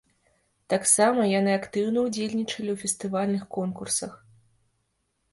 Таксама яны актыўна удзельнічалі ў фэстывальных конкурсах.